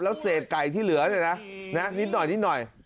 แล้วเศษไก่ที่เหลือเนี่ยนะนิดหน่อย